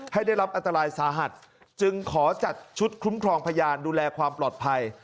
ได้รับอันตรายสาหัสจึงขอจัดชุดคุ้มครองพยานดูแลความปลอดภัย